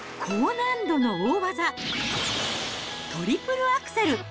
高難度の大技、トリプルアクセル。